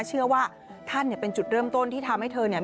เชื่อว่าท่านเนี่ยเป็นจุดเริ่มต้นที่ทำให้เธอเนี่ย